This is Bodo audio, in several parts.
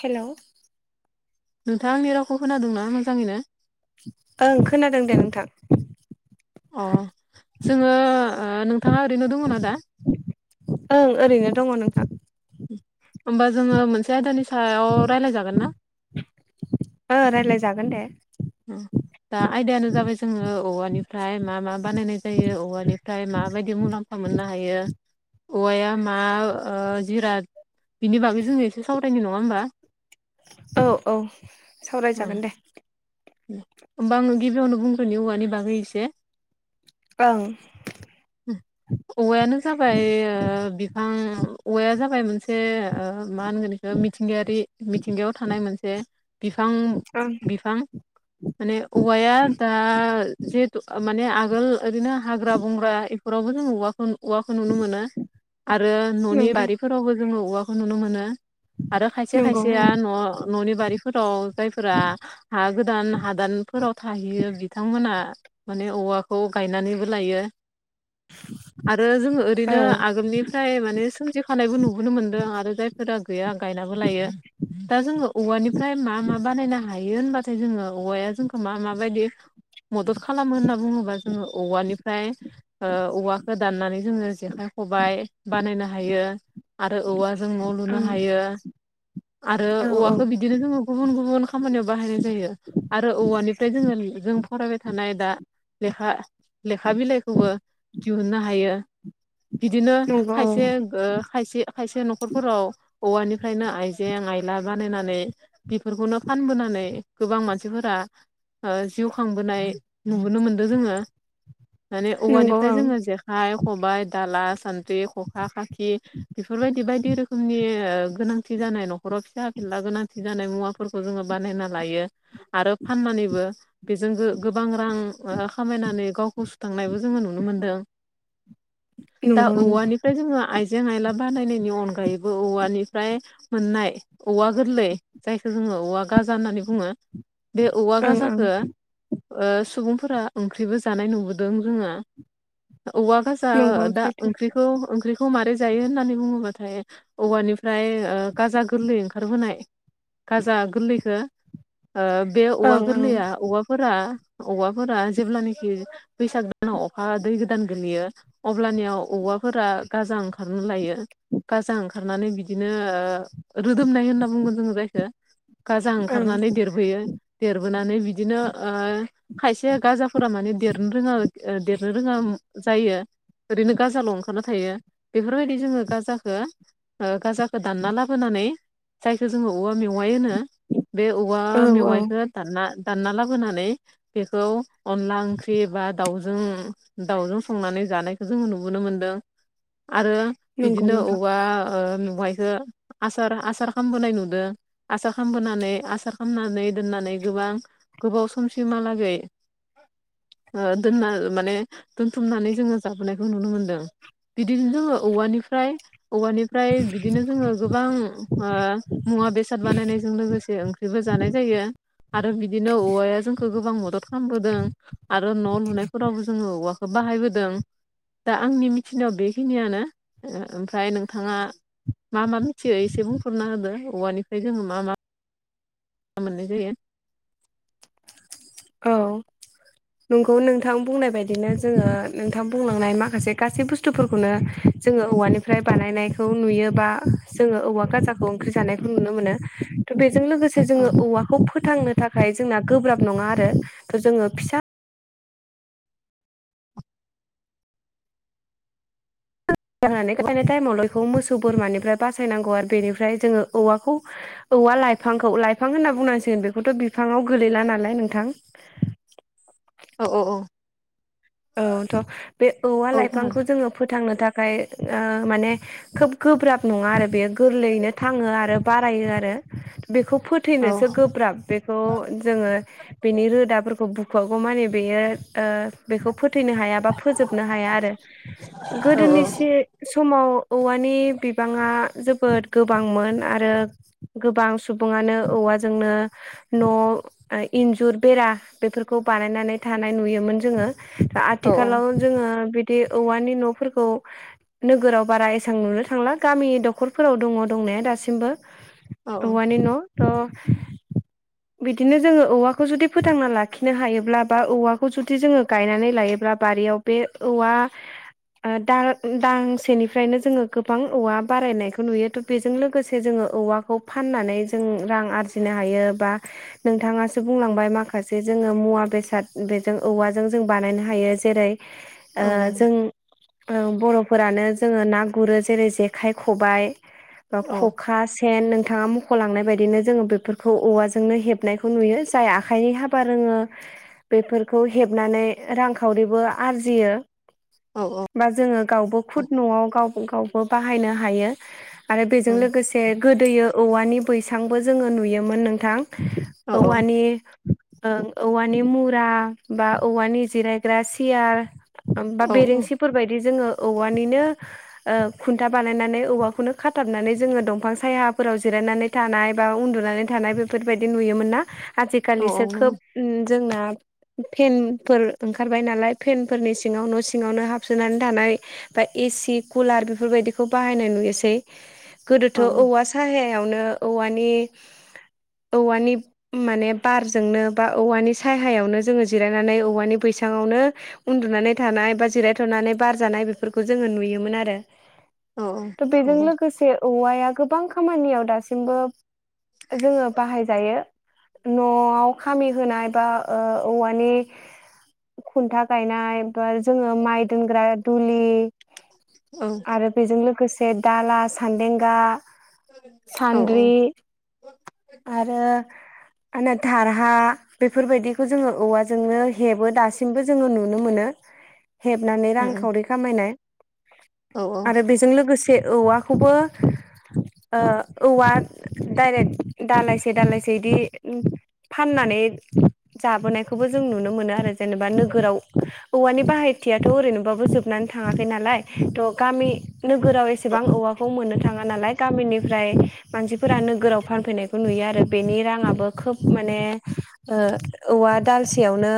हेलौ नोंथाङा आंनि रावखौ खोनादोंना मोजाङैनो ओं खोनादों दे नोंथां अ जोङो ओ नोंथाङा ओरैनो दङ' ना दा ओं ओरैनो दङ' नोंथां होमबा जोङो मोनसे आयदानि सायाव रायलायजागोन ना ओ रायलाय जागोन दे [inaudible] दा आयदायानो जाबाय जोङो औवानिफ्राय मा मा बानायनाय जायो औवानिफ्राय माबायदि मुलाम म्फा मोननो हायो औवाया मा जिराद बिनि बागै जोंनो एसे सावरायनि नङा होमबा औ-औ सावरायजागोन दे होमबा आंनो गिबियावनो बुंग्रोनि औवानि बागै एसे ओं औवायानो जाबाय बिफां औवाया जाबाय मोनसे ओ मोनसे मा होनगोन बिखो मिथिंगायारि ओ मिथिंगायाव थानाय मोनसे बिफां ओं बिफां माने औवाया दा जिहेतु माने आगोल ओरैनो हाग्रा बंग्रा इफोरावबो जों औवाखौ नु औवाखौ नुनो मोनो आरो न'नि नंगौ बारिफोरावबो जोङो औवाखौ नुनो मोनो आरो खायसे नंगौ खायसेया न' न'नि बारिफोराव जायफोरा हा गो दान हादानफोराव थाहैयो बिथांमोना माने औवाखौ गायनानैबो लायो आरो जोङो औ ओरैनो आगोलनि फ्राय माने सोमजिखानायबो नुबोनो मोनदों आरो जायफोरा गैया गायनाबो लायो दा जोङो औवानिफ्राय मा मा बानायनो हायो होनबाथाय जोङो औवाया जोंखौ मा मा बायदि मदद खालामो होनना बुङोब्ला जोङो औवानिफ्राय औवाखौ दाननानै जोङो जेखाइ खबाइ बानायनो हायो आरो औवाजों न' लुनो ओं हायो आरो औ औ औवाखौ बि दिनो जोङो गुबुन गुबुन खामानियाव बाहायनाय जायो आरो औवानिफ्राय जोङो जों फरायबाय थानाय दा लेखा लेखा बिलाइखौबो दिहुननो हायो बिदिनो नंगौ औ खायसे खायसे खायसे न'खरफोराव औवानिफ्रायनो आइजें आइला बानायनानै बेफोरखौनो फानबोनानै गोबां मानसिफोरा जिउ खांबोनाय नुबोनो मोनदों जोङो माने नंगौ औवानिफ्राय ओं जोङो जेखाइ खबाइ दाला सान्द्रि खखा खाखि बेफोरबायदि बायदि रोखोम नि गोनांथि जानाय न'खराव फिसा फिनला गोनांथि जानाय मुवाफोरखौ जोङो बानायना लायो आरो फाननानैबो बेजों गोबां रां खामायनानै गावखौ सुथांनायबो जोङो नुनो मोनदों दा नंगौ नंगौ औवानि फ्राय जोङो आइजें आइला बानायनायनि अनगायैबो औवानिफ्राय मोननाय औवा गोरलै जायखौ जोङो औवा गाजा होननानै बुङो बे औवा ओं ओं गाजाखौ सुबुंफोरा ओंख्रिबो जानाय नुबोदों जोङो औवा गाजा जा नंगौ दा सैथो ओंख्रिखौ ओंख्रिखौ मारै जायो होननानै बुङोब्लाथाय औवानिफ्राय गाजा गोरलै ओंखारबोनाय गाजा गोरलैखौ बे औवा ओं ओं गोरलैया औवाफोरा औवाफोरा जेब्लानाखि बैसाग दानाव अखा दै गोदान गोग्लैयो अब्लानियाव औवाफोरा गाजा ओंखारनो लायो गाजा ओंखारनानै बिदिनो रोदोमनाय होनना बुंगोन जोङो जायखौ गाजा ओं ओंखारनानै देर बोयो देरबोनानै बिदिनो खायसे गाजाफोरा माने देरनो रोङा देरनो रोङा जायो ओरैनो गाजाल' ओंखारना थायो बेफोरबायदि जोङो गाजाखौ गाजाखो दानना लाबोनानै जायखो जोङो औवा मेवाय होनो बे औ वा मेवाइखो दानना दानना लाबोनानै बेखौ अनला ओंख्रि बा दाउजों दावजों संनानै जानायखौ जोंङो नुबोनो मोनदों आरो नंगौ बिदिनो नोंथां औवा मेवायखौ आसार आसार खालामबोनाय नुदों आसार खालामबोनानै आसार खामनानै दोननानै गोबां गोबाव समसिमहालागै दोनना माने दोनथुमनानै जोङो जाबोनायखौ नुनो मोनदों बिदिनो जोङो औवानिफ्राय औवानिफ्राय बिदिनो जोङो गोबां मुवा बेसाद बानायनायजों लोगोसे बिदिबो जानाय जायो आरो बिदिनो औवाया जोंखौ गोबां मदद खालामबोदों। आरो न' लुनायफोरावबो जोङो औवाखौ बाहायबोदों दा आंनि मिथिनायाव बेखिनियानो ओमफ्राय नोंथाङा मा मा मोनथियो एसे बुंफोरना होदो औवानिफ्राय जोङो मा मा मोननाय जायो औ नोंगौ नोंथां बुंनाय बायदिनो जोङो नोंथां बुंलांनाय माखासे गासै बुस थुफोरखौनो जोङो औवानिफ्राय बानायनायखौ नुयोबा जोङो औवा गाजा खौ ओंख्रि जानायखौ नुनो मोनो थ बेजों लोगोसे औ जोङो औवाखौ फोथांनो थाखाय जोंना गोब्राब नङा आरो थ' जोङो फिसा [unintelligible] गायनाय टाइमाव ल बेखौ मोसौ बोरमानिफ्राय बासायनांगौ आरो बेनिफ्राय जोङो औवाखौ औवा लाइफांखौ लाइफां होनना बुंनांसिगोन बेखौथ' बिफाङाव गोलैला नालाय नोंथां औ औ औ औथ' बे औवा औ खोनादों लाइफांखौ जोङो फोथांनो था खाय माने खोब गोब्राब नङा आरो बेयो गोरलैयैनो थाङो आरो बारायो आरो बेखौ औ फोथैनोसो गोब्राब बे बेखौ जोंङो बेनि रोदाफोरखौ बुखुवागौ माने बेयो बेखौ फोथैनो हाया बा फोजोबनो हाया आरो औ गोदोनिसे समाव औवानि बिबांङा जोबोद गोबांमोन आरो गोबां सुबुंङानो औवाजोंनो न' इन्जुर बेरा बेफोरखौ बानायनानै थानाय नुयोमोन जोंङो औ आथिखालाव जोंङो बिदि औवानि न'फोरखौ नोगोराव बारा एसां नुनो थांला गामि दखरफोराव दङ दंनाया दासिमबो औ औवानि न' थ' बिदिनो जोंङो औवाखौ जुदि फोथांना लाखिनो हायोब्ला बा औवाखौ जुदि जोंङो गायनानै लायोब्ला बारियाव बे औवा दाल दांसेनिफ्रायनो जोंङो गोबां औवा बारायनायखौ नुयो बेजों लोगोसे जोंङो औवाखौ फाननानै जों रां आरजिनो हायो बा नोंथांङासो बुंलांबाय माखासे जोंङो मुवा बेसाद बेजों औवाजों जों जों बानायनो हायो जेरै औ औ नंगौ। जों बर'फोरानो जोंङो ना गुरो जेरै जेखाइ खबाइ औ खखा सेन सेन नोंथांङा मख'लांनाय बायदिनो जोंङो बेफोरखौ औवाजोंनो हेबनायखौ नुयो जाय आखाइनि हाबा फा रोंङो बेफोरखौ हेबनानै रांखावरिबो आरजियो औ औ बा जोंङो गावबो खुद न'आव गाव गावबो बाहायनो हायो आरो उम बेजों लोगोसे बे गोदोयो औवानि बैसांबो जोंङो नुयोमोन नोंथां औ औवानि ओं औवानि मुरा बा औवानि जिरायग्रा सियार बा औ बेरेंसिफोरबायायदि जोंङो औवानिनो ओ खुन्था बानायनानै औवाखौनो खाथाबनानै जोंङो दंफां सायाफोराव जिरायनानै थानाय बा उनदुनानै थानाय बेफोरबायदि नुयोमोन ना औ औ आजिखालिसो खोब जोंना फेनफोर ओंखारबाय नालाय फेनफोरनि सिङांव न' सिङावनो हाबसोनानै थानाय बा एसि कुलार बेफोरबायदिखौ बाहायनाय नुयोसै गोदोथ' नंगौ औवा साहायावनो औवानि औवानि माने बारजोंनो बा औवानि साहायावनो जोंङो जिरायनानै औवानि बैसांङावनो उनदुनानै थानाय बा जिरायथ'नानै बारजानाय बेफोरखौ जोंङो नुयोमोन आरो औ उम औ थ' बेजों लोगोसे औवाया गोबां खामानियाव दासिमबो जोंङो बाहाय जायो न'आव खामि होनाय बा औव मानि खुनथा गायनाय बा जोंङो माइ दोनग्रा दुलि आरो बेजों लोगोसे दाला सान्देंगा सान्द्रि ओं ओं आरो आना धारहा बेफोरबायदिखौ जोंङो औवा जों जोंनो दासिबो जों नुनो मोनो हेबनानै रांखावरि खामायनाय आरो बेजों लोगोसे औवाखौबो ओ औवा दाइरेक्ट दालायसे दालायसे बिदि फाननानै जाबोनायखौबो जों नुनो मोनो आरो जेनेबा नोगोराव औवानि बाहायथियाथ' ओरैनोबाबो जोबनानै थाङाखै नालाय थ' गामि नोगोराव एसेबां औवाखौ मोननो थांङा नालाय गामिनिफ्राय मानसिफोरा नोगोराव फानफैनायखौ नुयो आरो बेनि रांङाबो खोब माने ओ औवा दालसेयावनो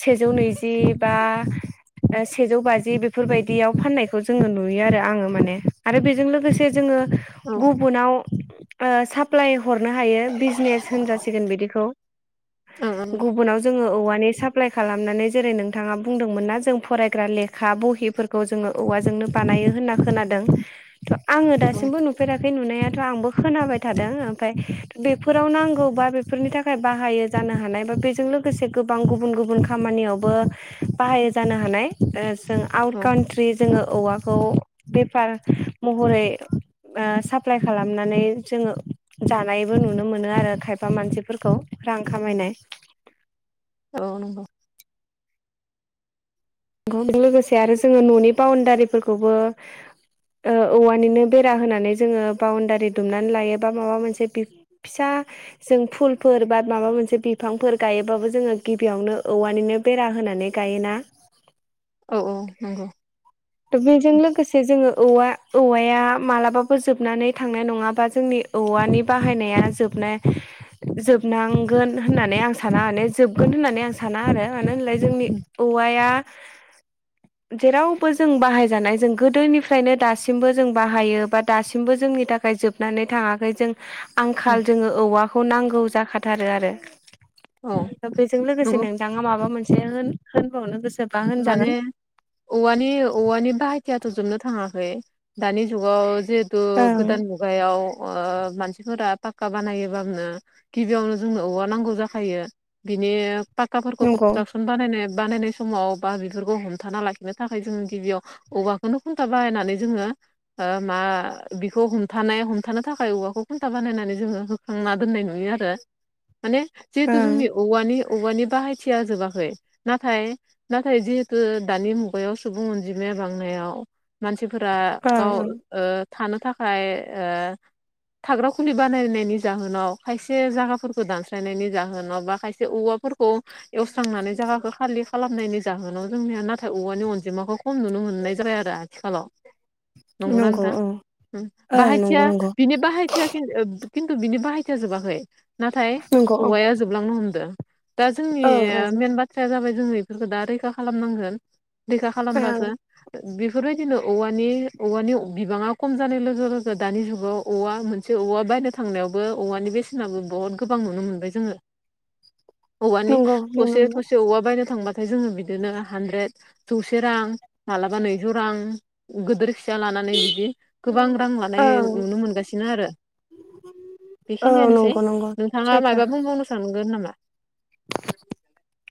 सेजौ नैजि बा सेजौ बाजि बेफोरबायदियाव फाननायखौ जोंङो नुयो आरो आंङो माने आरो बेजों लोगोसे जोंङो गुबुनाव साप्लााय हरनो हायो बिजनेस होनजासिगोन बिदिखौ गुबुनाव जोंङो औवानि साफ एप्लाइ खालामनानै जेरै नोंथांङा बुंदोंमोन ना जों फरायग्रा लेखा बहिफोरखौ जोंङो औवाजोंनो बानायो होनना खोनादों थ' आंङो दासिमबो नु फेराखै नुनायाथ' आंबो खोनाबाय थादों ओमफ्राय बेफोराव नांगौ बा बे फोरनि थाखाय बाहायो जानो हानाय बा बेजों लोगोसे गोबां गुबुन गुबुन खामानियावबो बाहायो जानो हानाय ओ जों आउट औ काउट्रि जोङो औवाखौ बेफार महरै ओ साप्लााय खालामनानै जोङो जानायबो नुनो मोनो आरो खायफा मानसिफोरखौ रां खामायनाय औ नंगौ बेजों लोगोसे आरो जोङो न'नि बाउणडारिफोरखौबो ओ औवानिनो बेरा होनानै जोङो बाउणडारि दुमनानै लायो बा माबा मोनसे बे फिसा जों फुलफोर बा माबा मोनसे बिफांफोर गायोबाबो जोङो गिबियावनो औवानिनो बेरा होनानै गायोना औ औ नंगौ थ' बेजों लोगोसे जोङो औवा औवाया मालाबाबो जोबनानै थांनाय नङाबा जोंनि औवानि बाहायनाया जोबनाय जोबनांगोन होननानै आं साना माने जोबगोन होननानै आं साना आरो मानो होनलाय जोंनि उम औवाया जेरावबो जों बाहायजानाय जों गोदोनिफ्रायनो दासिमबो जों बाहायो बा दासिमबो जोंनि थाखाय जोबनानै थाङाखै जों आंखाल उम जोङो औवाखौ नांगौ जाखाथारो आरो औ दा बेजों लोगोसे नंगौ नोंथाङा माबा मोनसे होन‌ होनबावनो गोसो माने औवानि औवानि बाहायथियाथ' जोबनो थाङाखै दानि जुगाव जिहेतु ओं गोदान मुगायाव ओ मानसिफोरा पाक्का बानायोबानो गिबियावनो जोंनो औवा नांगौ जाखायो बिनि पाक्काफोरखौ नंगौ कनस्ट्राकसन बानायनाय बानायनाय समाव बा बेफोरखौ हमथाना लाखिनो थाखाय जोंङो गिबियाव औवाखौनो खुन्था बाहायनानै जोङो ओ मा बिखौ हमथानाय हमथानो थाखाय औवाखौ खुन्था बानायनानै जोङो होखांना दोननाय नुयो आरो माने जिहेतु ओं जोंनि औवानि औवानि बाहायथिया जोबाखै नाथाय नाथाय जिहेतु दानि मुगायाव सुबुं अनजिमाया बांनायाव मानसिफोरा ओं गाव ओं ओ थानो थाखाय ओ थाग्रा खुलि बानायनायनि जाहोनाव खायसे जागाफोरखौ दानस्रायनायनि जाहोनाव बा खायसे औवा फोरखौ एवस्रांनानै जायगाखौ खालि खालाम फाननायनि जाहोनाव जोंनिया नाथाय औवानि अनजिमाखौ खम नुनो मोननाय जाबाय आरो आथिखालाव नंगौ नोंथां उम ओं बाहायथिया नंगौ नंगौ बिनि बाहायथि [unintelligible] खिनथु बिनि बाहायथिया जोबाखै नाथाय नंगौ औ औवाया जोबलांनो हमदों दा जोंनि ओं ओं मेन बाथ्राया जाबाय जोंङो बेफोरखौ दा रैखा खालामनांगोन रैखा ओं खालामबासो बेफोरबायदिनो औवानि औवानि बिबाङा खम जानाय लोगो लोगो दानि जुगाव औवा मोन मोनसे औवा बायनो थांनायावबो औवानि बेसेनाबो बहुत गोबां नुनो मोनबाय जोङो औवानि नंगौ थसे नंगौ थसे औवा बायनो थांबाथाय जोङो बिदिनो हानद्रेद जौसे रां मालाबा नैजौ रां गिदिर फिसा लानानै बिदि गोबां रां लानाय ओं नुनो मोनगासिनो आरो औ बेखिनियानोसै नंगौ नंगौ नोंथाङा सैथो मायबा बुंबावनो सानगोन नामा [inaudible]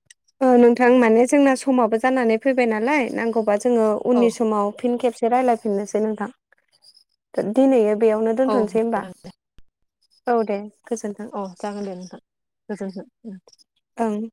ओ नोंथां माने जोंना समाबो जानानै फैबाय नालाय नांगौबा जोङो औ उननि समाव फिन खेबसे रायजलायफिननोसै नोंथां दिनैयो बेयावनो औ दोनथ'नोसै होनबा औ दे अ जागोन दे नोंथां गोजोनथों ओं